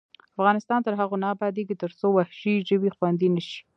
افغانستان تر هغو نه ابادیږي، ترڅو وحشي ژوي خوندي نشي.